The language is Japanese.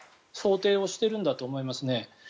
想定をしているんだと思います。